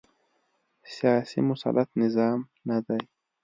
سیاسي مسلط نظام نه دی